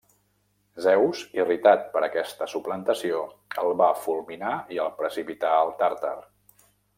Zeus, irritat per aquesta suplantació, el va fulminar i el precipità al Tàrtar.